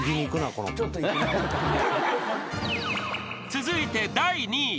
［続いて第２位］